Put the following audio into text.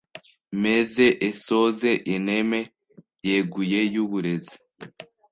meze esoze ineme yeguye y’uburezi